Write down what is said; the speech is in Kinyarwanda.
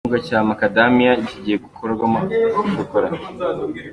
Igihingwa cya Makadamiya kigiye gukorwamo shokora